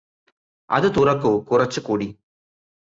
അത് തുറക്കു കുറച്ചു കൂടി